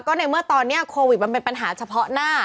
ในเมื่อตอนนี้โควิดมันเป็นปัญหาเฉพาะหน้า